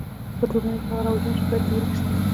په ټولنه کی هغه رواجونه چي بد دي ورک سي.